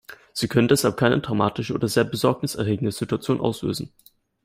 Sie können deshalb keine dramatische oder sehr besorgniserregende Situation auslösen.